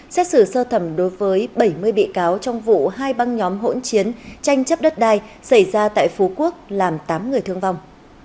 xét xử sơ thẩm đối với bảy mươi bị cáo trong vụ hai băng nhóm hỗn chiến tranh chấp đất đai xảy ra tại phú quốc làm tám người thương vong